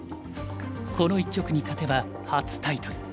この一局に勝てば初タイトル。